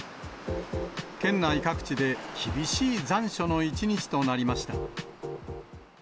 県内各地で厳しい残暑の一日となりました。